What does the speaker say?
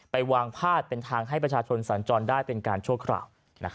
ไปวางพาดเป็นทางให้ประชาชนสัญจรได้เป็นการชั่วคราว